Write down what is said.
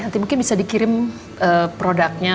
nanti mungkin bisa dikirim produknya